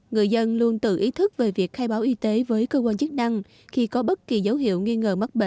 người dân luôn tự ý thức về việc khai báo y tế với cơ quan chức năng